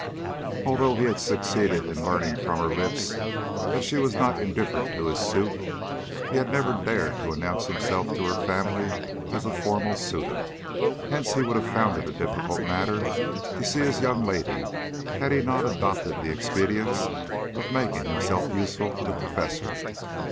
Although he had succeeded in learning from her lips that she was not indifferent to his suit, he had never dared to announce himself to her family as a formal suitor. Hence he would have found it a difficult matter to see his young lady had he not adopted the expedient of making himself useful to the Professor.